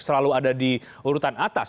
selalu ada di urutan atas